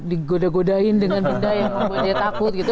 digoda godain dengan benda yang membuat dia takut gitu